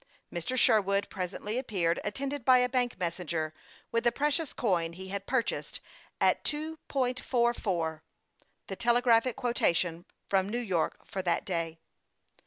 Mr. Sherwood presently appeared attended by a bank messenger with the precious coin he had pur chased at 2.44, the telegraphic quotation from New York for that day.